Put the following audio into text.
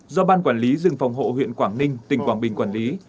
do ban quản lý rừng phòng hộ huyện quảng ninh tỉnh quảng bình quản lý